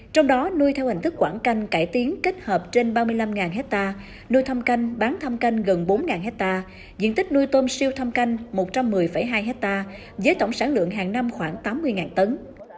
trong đó nuôi theo hành thức quảng canh cải tiến kết hợp trên ba mươi năm ha nuôi thăm canh bán thăm canh gần bốn ha diện tích nuôi tôm siêu thăm canh một trăm một mươi hai ha với tổng sản lượng hàng năm khoảng tám mươi tấn